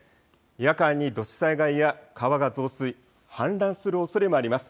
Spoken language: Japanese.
夜間に土砂災害や川が増水、氾濫するおそれもあります。